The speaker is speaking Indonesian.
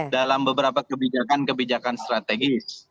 dalam beberapa kebijakan kebijakan strategis